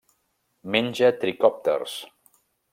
Menja tricòpters.